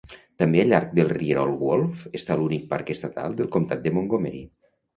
També al llarg del rierol Wolf està l'únic parc estatal del comtat de Montgomery.